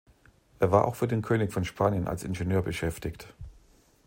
Er war auch für den König von Spanien als Ingenieur beschäftigt.